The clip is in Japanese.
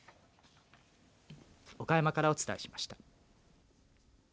岡山からお伝えしました。